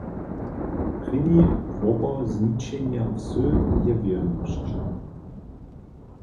Prěni wopor žničenja wsy je wěrnosć.